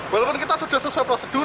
walaupun kita sudah sesuai prosedur